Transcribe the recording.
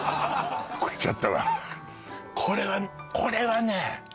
これはこれはね